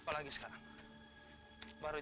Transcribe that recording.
bagaimana sama dia